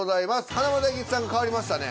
華丸・大吉さん変わりましたね。